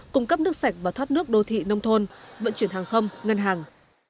cung cấp nước sạch và thoát nước đô thị nông thôn vận chuyển hàng không ngân hàng